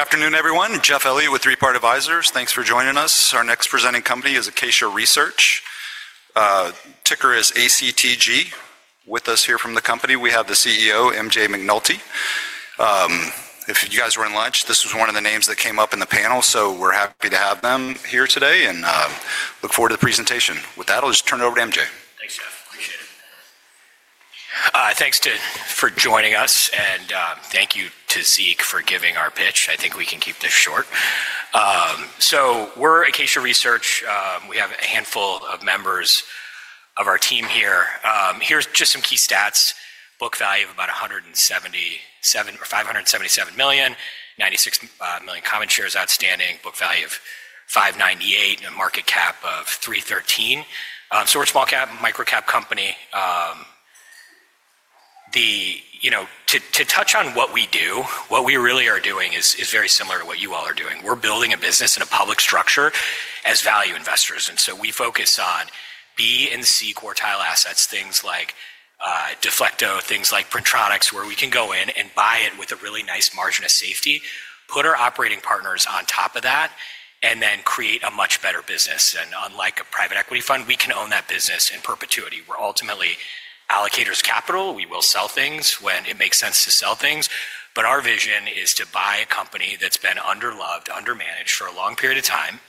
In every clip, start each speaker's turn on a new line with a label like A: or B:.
A: Good afternoon, everyone. Jeff Elliott with Three Part Advisors. Thanks for joining us. Our next presenting company is Acacia Research. Ticker is ACTG. With us here from the company, we have the CEO, MJ McNulty. If you guys were in lunch, this was one of the names that came up in the panel, so we're happy to have them here today and look forward to the presentation. With that, I'll just turn it over to MJ.
B: Thanks, Jeff. Appreciate it. Thanks for joining us, and thank you to [Zeke] for giving our pitch. I think we can keep this short. We are Acacia Research. We have a handful of members of our team here. Here are just some key stats: book value of about $577 million, 96 million common shares outstanding, book value of $598 million, and a market cap of $313 million. We are a small-cap, microcap company. To touch on what we do, what we really are doing is very similar to what you all are doing. We are building a business and a public structure as value investors. We focus on B and C quartile assets, things like Deflecto, things like Printroducts, where we can go in and buy it with a really nice margin of safety, put our operating partners on top of that, and then create a much better business. Unlike a private equity fund, we can own that business in perpetuity. We are ultimately allocators of capital. We will sell things when it makes sense to sell things. Our vision is to buy a company that has been under-loved, under-managed for a long period of time,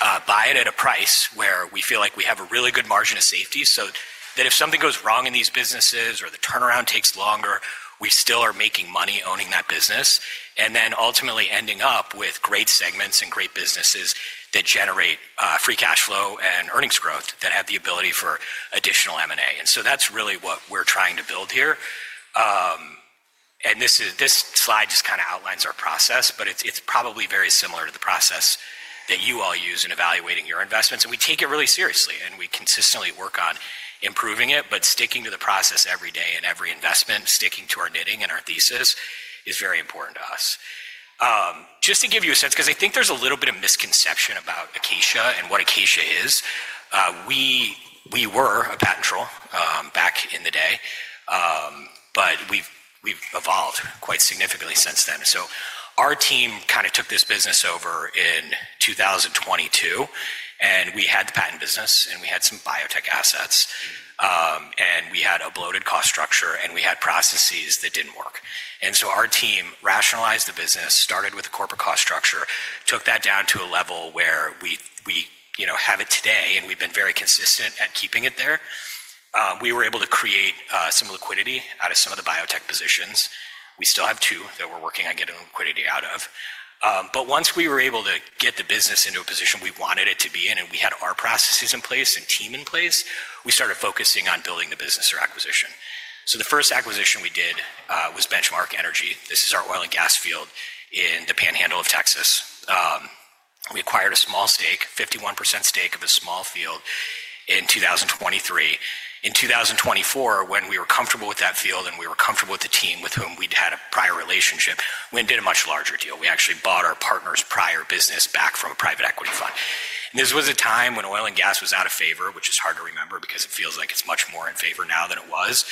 B: buy it at a price where we feel like we have a really good margin of safety so that if something goes wrong in these businesses or the turnaround takes longer, we still are making money owning that business, and ultimately ending up with great segments and great businesses that generate free cash flow and earnings growth that have the ability for additional M&A. That is really what we are trying to build here. This slide just kind of outlines our process, but it is probably very similar to the process that you all use in evaluating your investments. We take it really seriously, and we consistently work on improving it, but sticking to the process every day and every investment, sticking to our knitting and our thesis is very important to us. Just to give you a sense, because I think there's a little bit of misconception about Acacia and what Acacia is, we were a patent troll back in the day, but we've evolved quite significantly since then. Our team kind of took this business over in 2022, and we had the patent business, and we had some biotech assets, and we had a bloated cost structure, and we had processes that did not work. Our team rationalized the business, started with a corporate cost structure, took that down to a level where we have it today, and we've been very consistent at keeping it there. We were able to create some liquidity out of some of the biotech positions. We still have two that we're working on getting liquidity out of. Once we were able to get the business into a position we wanted it to be in, and we had our processes in place and team in place, we started focusing on building the business or acquisition. The first acquisition we did was Benchmark Energy. This is our oil and gas field in the Panhandle of Texas. We acquired a 51% stake of a small field in 2023. In 2024, when we were comfortable with that field and we were comfortable with the team with whom we'd had a prior relationship, we did a much larger deal. We actually bought our partner's prior business back from a private equity fund. This was a time when oil and gas was out of favor, which is hard to remember because it feels like it's much more in favor now than it was.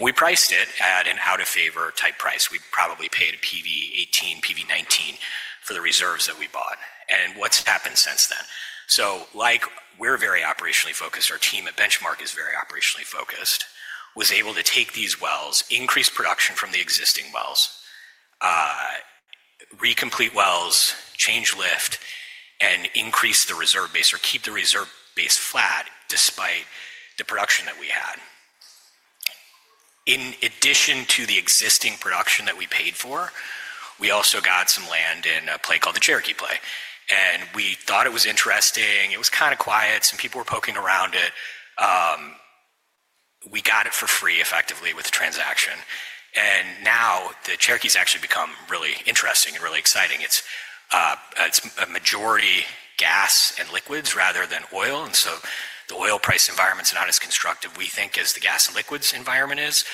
B: We priced it at an out-of-favor type price. We probably paid PV-18, PV-19 for the reserves that we bought. What has happened since then? We are very operationally focused. Our team at Benchmark is very operationally focused, was able to take these wells, increase production from the existing wells, recomplete wells, change lift, and increase the reserve base or keep the reserve base flat despite the production that we had. In addition to the existing production that we paid for, we also got some land in a play called the Cherokee Play. We thought it was interesting. It was kind of quiet. Some people were poking around it. We got it for free, effectively, with a transaction. Now the Cherokee has actually become really interesting and really exciting. It's a majority gas and liquids rather than oil. The oil price environment's not as constructive, we think, as the gas and liquids environment is.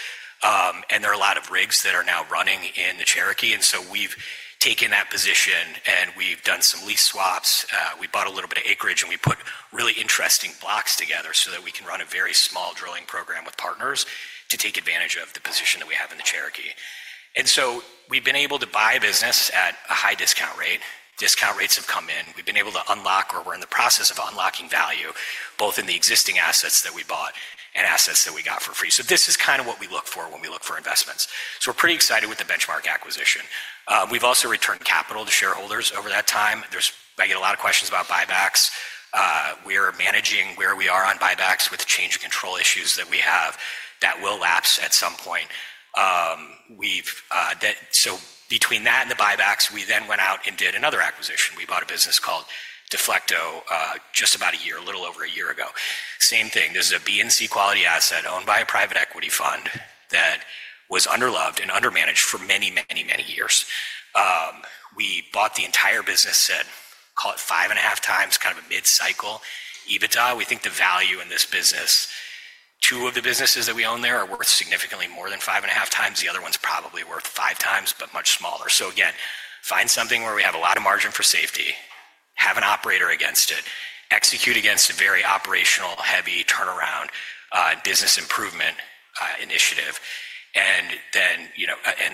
B: There are a lot of rigs that are now running in the Cherokee. We've taken that position, and we've done some lease swaps. We bought a little bit of acreage, and we put really interesting blocks together so that we can run a very small drilling program with partners to take advantage of the position that we have in the Cherokee. We've been able to buy business at a high discount rate. Discount rates have come in. We've been able to unlock, or we're in the process of unlocking value, both in the existing assets that we bought and assets that we got for free. This is kind of what we look for when we look for investments. We're pretty excited with the Benchmark acquisition. We've also returned capital to shareholders over that time. I get a lot of questions about buybacks. We are managing where we are on buybacks with change control issues that we have that will lapse at some point. Between that and the buybacks, we then went out and did another acquisition. We bought a business called Deflecto just about a year, a little over a year ago. Same thing. This is a B and C quality asset owned by a private equity fund that was under-loved and under-managed for many, many, many years. We bought the entire business at, call it five and a half times, kind of a mid-cycle. EBITDA, we think the value in this business, two of the businesses that we own there are worth significantly more than five and a half times. The other one's probably worth five times, but much smaller. Again, find something where we have a lot of margin for safety, have an operator against it, execute against a very operational, heavy turnaround business improvement initiative, and then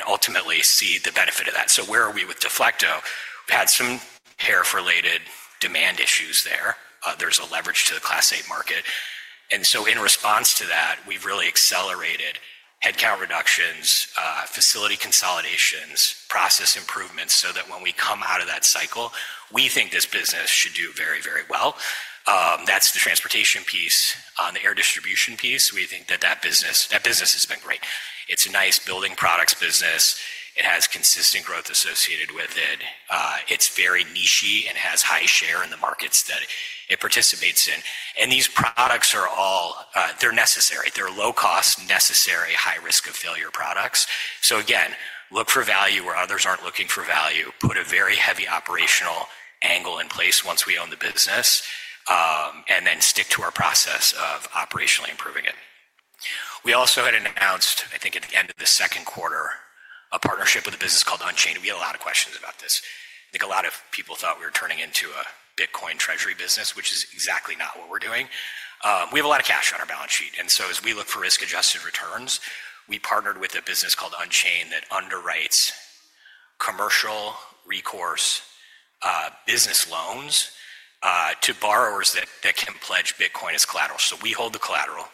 B: ultimately see the benefit of that. Where are we with Deflecto? We had some tariff-related demand issues there. There's a leverage to the Class 8 market. In response to that, we've really accelerated headcount reductions, facility consolidations, process improvements so that when we come out of that cycle, we think this business should do very, very well. That's the transportation piece. On the air distribution piece, we think that that business has been great. It's a nice building products business. It has consistent growth associated with it. It is very niche and has high share in the markets that it participates in. These products are all, they are necessary. They are low-cost, necessary, high-risk of failure products. Again, look for value where others are not looking for value. Put a very heavy operational angle in place once we own the business, and then stick to our process of operationally improving it. We also had announced, I think at the end of the second quarter, a partnership with a business called Unchain. We had a lot of questions about this. I think a lot of people thought we were turning into a Bitcoin treasury business, which is exactly not what we are doing. We have a lot of cash on our balance sheet. As we look for risk-adjusted returns, we partnered with a business called Unchain that underwrites commercial recourse business loans to borrowers that can pledge Bitcoin as collateral. We hold the collateral.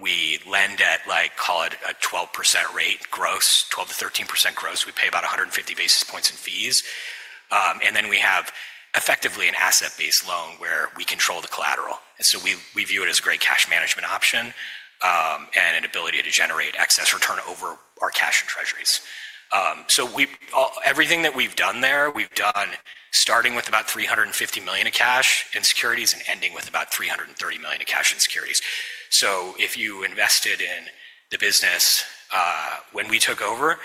B: We lend at, call it a 12% rate gross, 12%-13% gross. We pay about 150 basis points in fees. We have effectively an asset-based loan where we control the collateral. We view it as a great cash management option and an ability to generate excess return over our cash and treasuries. Everything that we've done there, we've done starting with about $350 million in cash and securities and ending with about $330 million in cash and securities. If you invested in the business when we took over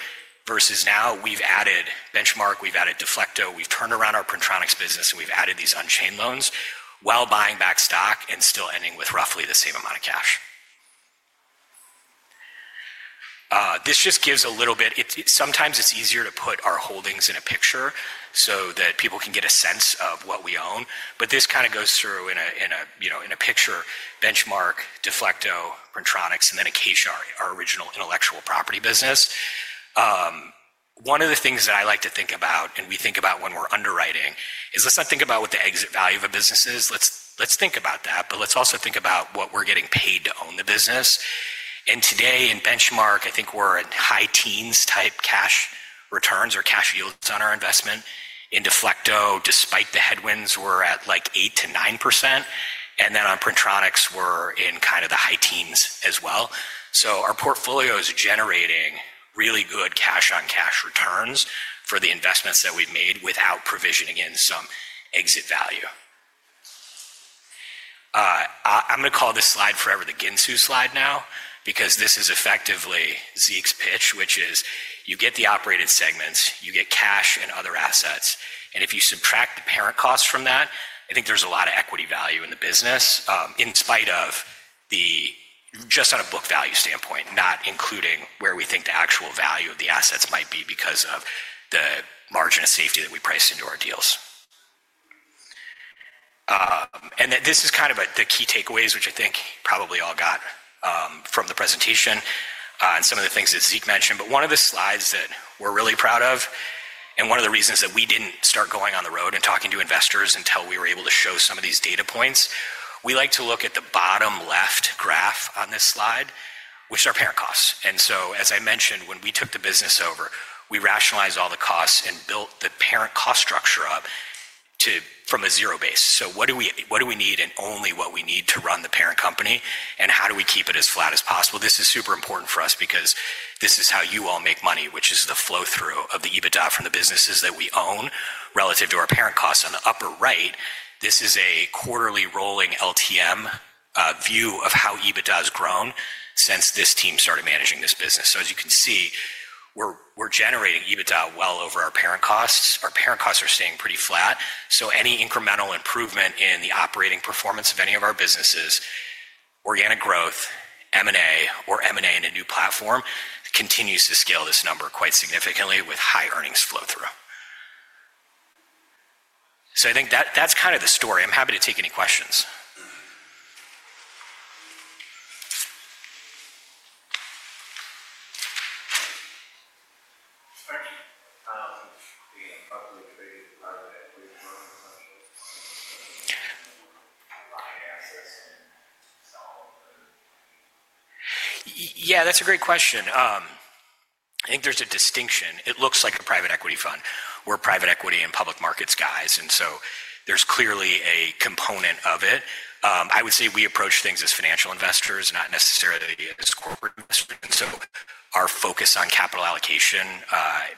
B: versus now, we've added Benchmark, we've added Deflecto, we've turned around our Printroducts business, and we've added these unchain loans while buying back stock and still ending with roughly the same amount of cash. This just gives a little bit, sometimes it's easier to put our holdings in a picture so that people can get a sense of what we own. This kind of goes through in a picture: Benchmark, Deflecto, Printroducts, and then Acacia, our original intellectual property business. One of the things that I like to think about, and we think about when we're underwriting, is let's not think about what the exit value of a business is. Let's think about that, but let's also think about what we're getting paid to own the business. Today in Benchmark, I think we're at high teens type cash returns or cash yields on our investment. In Deflecto, despite the headwinds, we're at like 8%-9%. In Printroducts, we're in kind of the high teens as well. Our portfolio is generating really good cash-on-cash returns for the investments that we've made without provisioning in some exit value. I'm going to call this slide forever the Ginsu slide now because this is effectively [Zeke's] pitch, which is you get the operated segments, you get cash and other assets, and if you subtract the parent costs from that, I think there's a lot of equity value in the business in spite of the just on a book value standpoint, not including where we think the actual value of the assets might be because of the margin of safety that we price into our deals. This is kind of the key takeaways, which I think you probably all got from the presentation and some of the things that [Zeke mentioned. One of the slides that we're really proud of, and one of the reasons that we didn't start going on the road and talking to investors until we were able to show some of these data points, we like to look at the bottom left graph on this slide, which are parent costs. As I mentioned, when we took the business over, we rationalized all the costs and built the parent cost structure up from a zero base. What do we need and only what we need to run the parent company, and how do we keep it as flat as possible? This is super important for us because this is how you all make money, which is the flow-through of the EBITDA from the businesses that we own relative to our parent costs. On the upper right, this is a quarterly rolling LTM view of how EBITDA has grown since this team started managing this business. As you can see, we're generating EBITDA well over our parent costs. Our parent costs are staying pretty flat. Any incremental improvement in the operating performance of any of our businesses, organic growth, M&A, or M&A in a new platform continues to scale this number quite significantly with high earnings flow-through. I think that's kind of the story. I'm happy to take any questions. Yeah, that's a great question. I think there's a distinction. It looks like a private equity fund. We're private equity and public markets guys. There is clearly a component of it. I would say we approach things as financial investors, not necessarily as corporate investors. Our focus on capital allocation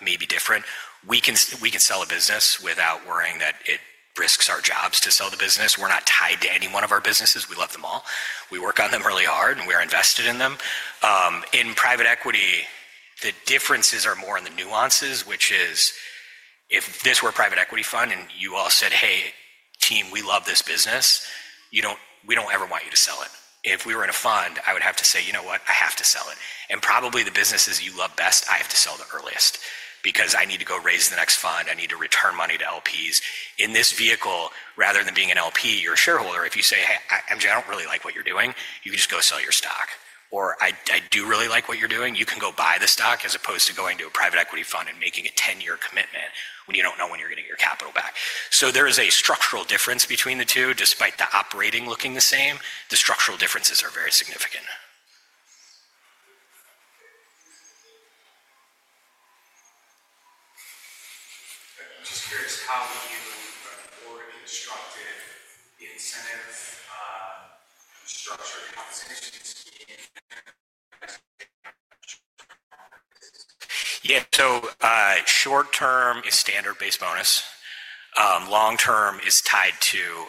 B: may be different. We can sell a business without worrying that it risks our jobs to sell the business. We're not tied to any one of our businesses. We love them all. We work on them really hard, and we are invested in them. In private equity, the differences are more in the nuances, which is if this were a private equity fund and you all said, "Hey, team, we love this business," we do not ever want you to sell it. If we were in a fund, I would have to say, "You know what? I have to sell it. Probably the businesses you love best, I have to sell the earliest because I need to go raise the next fund. I need to return money to LPs. In this vehicle, rather than being an LP or a shareholder, if you say, "Hey, I don't really like what you're doing," you can just go sell your stock. "I do really like what you're doing." You can go buy the stock as opposed to going to a private equity fund and making a 10-year commitment when you don't know when you're getting your capital back. There is a structural difference between the two. Despite the operating looking the same, the structural differences are very significant. I'm just curious, how do you orchestrate the incentive structure in Yeah. Short-term is standard-based bonus. Long-term is tied to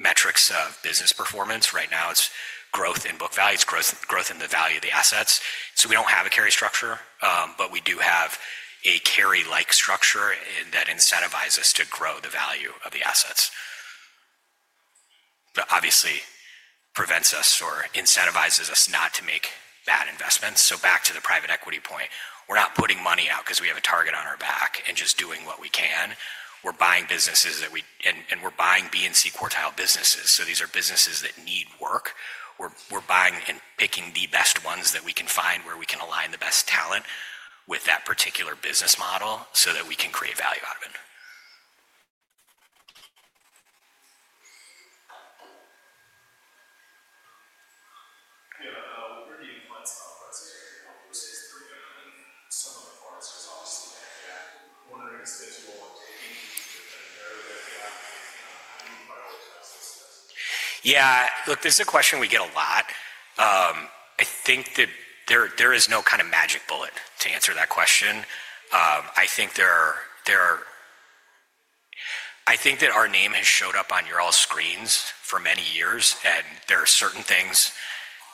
B: metrics of business performance. Right now, it's growth in book value, it's growth in the value of the assets. We don't have a carry structure, but we do have a carry-like structure that incentivizes us to grow the value of the assets. Obviously, it prevents us or incentivizes us not to make bad investments. Back to the private equity point, we're not putting money out because we have a target on our back and just doing what we can. We're buying businesses that we and we're buying B and C quartile businesses. These are businesses that need work. We're buying and picking the best ones that we can find where we can align the best talent with that particular business model so that we can create value out of it. Yeah. Where do you find some of the processes that you're helping with? Is there some of the focus is obviously that. I'm wondering if there's more taking the narrow area out. How do you prioritize those steps? Yeah. Look, this is a question we get a lot. I think that there is no kind of magic bullet to answer that question. I think there are, I think that our name has showed up on your all screens for many years, and there are certain things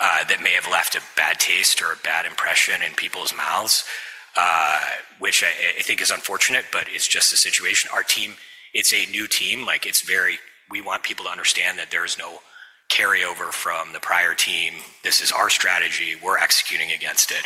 B: that may have left a bad taste or a bad impression in people's mouths, which I think is unfortunate, but it's just the situation. Our team, it's a new team. We want people to understand that there is no carryover from the prior team. This is our strategy. We're executing against it.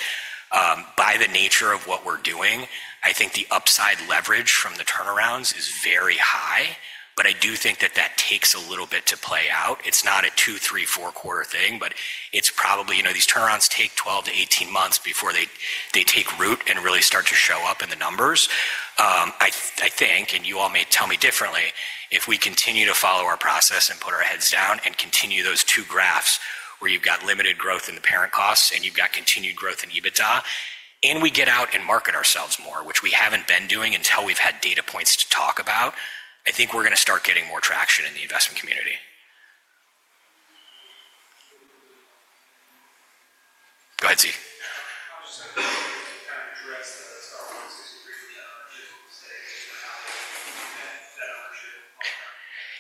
B: By the nature of what we're doing, I think the upside leverage from the turnarounds is very high, but I do think that that takes a little bit to play out. It's not a two, three, four-quarter thing, but it's probably these turnarounds take 12 to 18 months before they take root and really start to show up in the numbers. I think, and you all may tell me differently, if we continue to follow our process and put our heads down and continue those two graphs where you've got limited growth in the parent costs and you've got continued growth in EBITDA, and we get out and market ourselves more, which we haven't been doing until we've had data points to talk about, I think we're going to start getting more traction in the investment community. Go ahead, [Zeke]. I'm just going to kind of address Starboard's history with that ownership.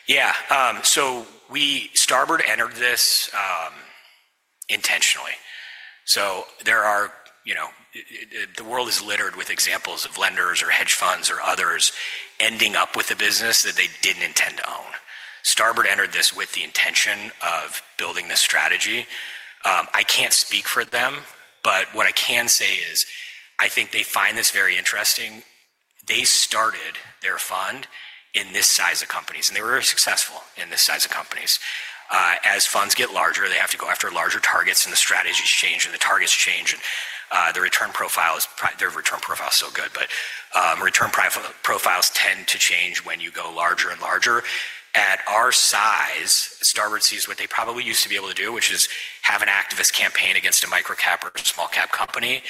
B: Yeah. Starboard entered this intentionally. The world is littered with examples of lenders or hedge funds or others ending up with a business that they didn't intend to own. Starboard entered this with the intention of building this strategy. I can't speak for them, but what I can say is I think they find this very interesting. They started their fund in this size of companies, and they were successful in this size of companies. As funds get larger, they have to go after larger targets, and the strategies change, and the targets change, and their return profile is still good. Return profiles tend to change when you go larger and larger. At our size, Starboard sees what they probably used to be able to do, which is have an activist campaign against a microcap or a small-cap company.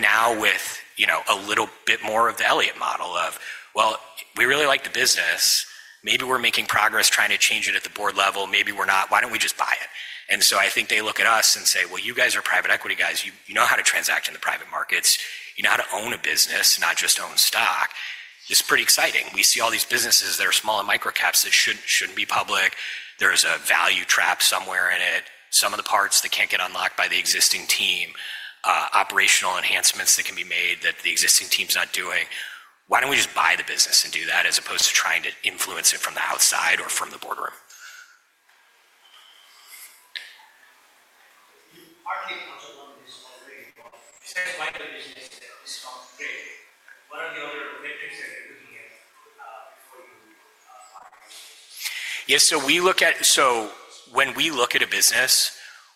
B: Now with a little bit more of the Elliott model of, "Well, we really like the business. Maybe we're making progress trying to change it at the board level. Maybe we're not. Why don't we just buy it?" I think they look at us and say, "Well, you guys are private equity guys. You know how to transact in the private markets. You know how to own a business and not just own stock." It's pretty exciting. We see all these businesses that are small and microcaps that shouldn't be public. There's a value trap somewhere in it. Some of the parts that can't get unlocked by the existing team, operational enhancements that can be made that the existing team's not doing. Why don't we just buy the business and do that as opposed to trying to influence it from the outside or from the boardroom? Our take on some of this already. You said it's quite a business that is complicated. What are the other metrics that you're looking at before you buy? Yeah. When we look at a business,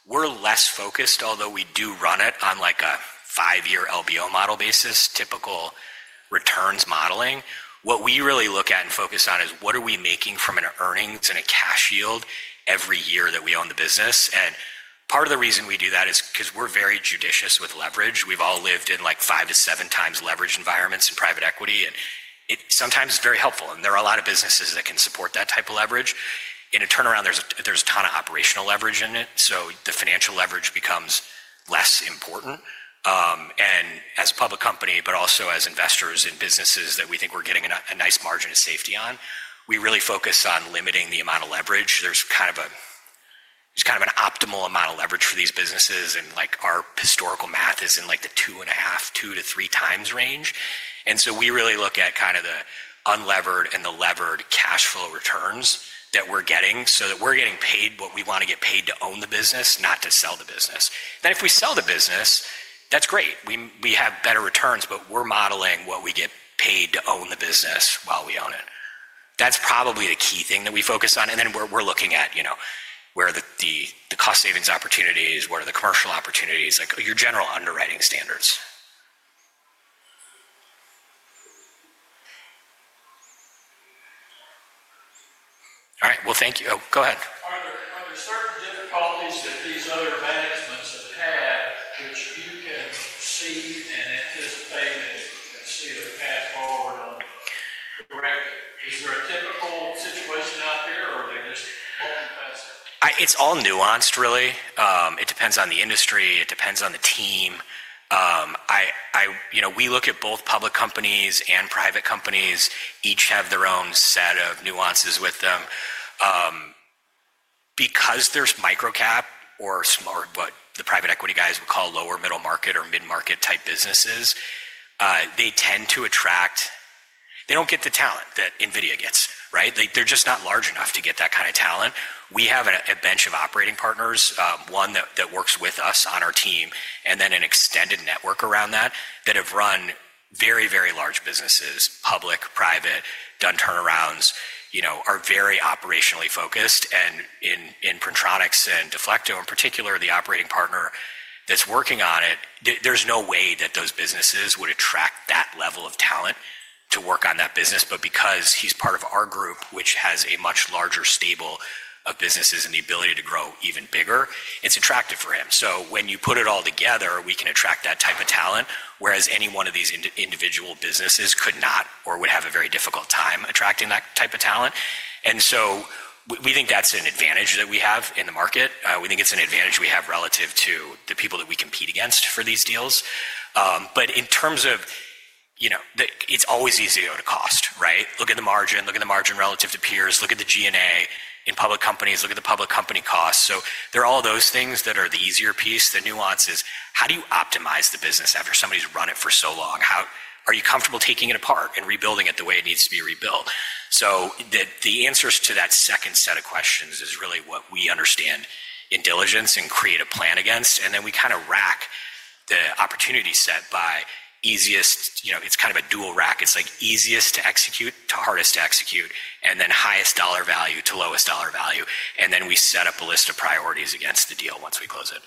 B: we're less focused, although we do run it on a five-year LBO model basis, typical returns modeling. What we really look at and focus on is what are we making from an earnings and a cash yield every year that we own the business. Part of the reason we do that is because we're very judicious with leverage. have all lived in five- to seven-times leveraged environments in private equity, and sometimes it is very helpful. There are a lot of businesses that can support that type of leverage. In a turnaround, there is a ton of operational leverage in it. The financial leverage becomes less important. As a public company, but also as investors in businesses that we think we are getting a nice margin of safety on, we really focus on limiting the amount of leverage. There is kind of an optimal amount of leverage for these businesses, and our historical math is in the two and a half, two- to three-times range. We really look at the unlevered and the levered cash flow returns that we are getting so that we are getting paid what we want to get paid to own the business, not to sell the business. If we sell the business, that's great. We have better returns, but we're modeling what we get paid to own the business while we own it. That's probably the key thing that we focus on. We are looking at where are the cost savings opportunities, where are the commercial opportunities, your general underwriting standards. Thank you. Go ahead. Are there certain difficulties that these other management have had which you can see and anticipate and see a path forward on? Is there a typical situation out there, or are they just more complex? It's all nuanced, really. It depends on the industry. It depends on the team. We look at both public companies and private companies. Each have their own set of nuances with them. Because there's microcap or what the private equity guys would call lower middle market or mid-market type businesses, they tend to attract, they don't get the talent that NVIDIA gets, right? They're just not large enough to get that kind of talent. We have a bench of operating partners, one that works with us on our team, and then an extended network around that that have run very, very large businesses, public, private, done turnarounds, are very operationally focused. In Printronix and Deflecto, in particular, the operating partner that's working on it, there's no way that those businesses would attract that level of talent to work on that business. Because he's part of our group, which has a much larger stable of businesses and the ability to grow even bigger, it's attractive for him. When you put it all together, we can attract that type of talent, whereas any one of these individual businesses could not or would have a very difficult time attracting that type of talent. We think that's an advantage that we have in the market. We think it's an advantage we have relative to the people that we compete against for these deals. In terms of it's always easier to cost, right? Look at the margin. Look at the margin relative to peers. Look at the G&A in public companies. Look at the public company costs. There are all those things that are the easier piece. The nuance is how do you optimize the business after somebody's run it for so long? Are you comfortable taking it apart and rebuilding it the way it needs to be rebuilt? The answers to that second set of questions is really what we understand in diligence and create a plan against. We kind of rack the opportunity set by easiest, it's kind of a dual rack. It's easiest to execute to hardest to execute, and then highest dollar value to lowest dollar value. Then we set up a list of priorities against the deal once we close it.